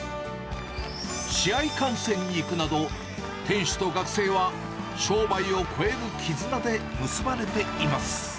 試合観戦に行くなど、店主と学生は商売を超えるきずなで結ばれています。